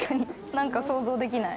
何か想像できない。